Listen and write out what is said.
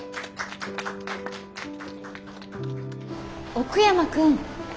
奥山君。